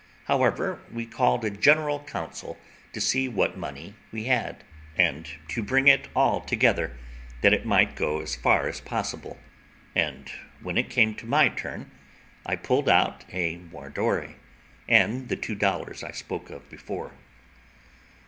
However, we called a general council to see what money we had, and to bring it all together, that it might go as far as possible; and when it came to my turn, I pulled out a moidore and the two dollars I spoke of before.